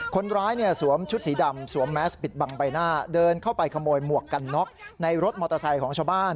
คนร้ายสวมชุดสีดำสวมแมสปิดบังใบหน้าเดินเข้าไปขโมยหมวกกันน็อกในรถมอเตอร์ไซค์ของชาวบ้าน